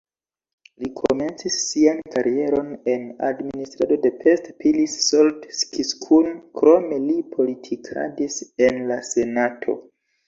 Li komencis sian karieron en administrado de Pest-Pilis-Solt-Kiskun, krome li politikadis en la senato.